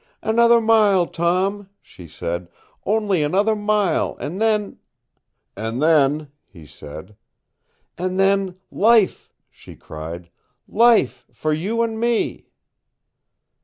"Another mile, Tom!" she said. "Only another mile, and then " "And then " he said. "And then life!" she cried. "Life for you and me!"